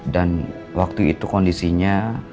dan waktu itu kondisinya